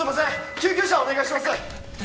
救急車お願いします